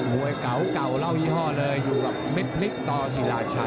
มวยเก่ารัวยี่ห้อเลยอยู่กับเมปฤษตามันสี่ลาใช่